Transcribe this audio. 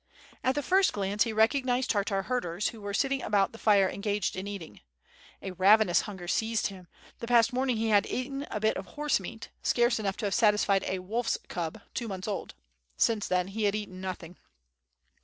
At the first glance he recognized Tartar herders, who were sitting about the fire engaged in eating. A ravenous hunger seized him, the past morning he had eaten a bite of horse meat, scarce enough to have satisfied a wolfs cub, two months old; since then he had eaten nothing.